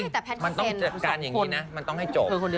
จริงมันต้องจัดการอย่างนี้นะมันต้องให้จบ